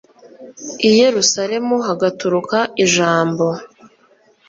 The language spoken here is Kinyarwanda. i yerusalemu hagaturuka ijambo